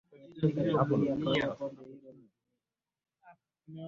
ahadi za Mungu kwa binadamu Katika kitabu cha